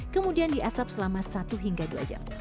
kemudian diasap selama satu hingga dua jam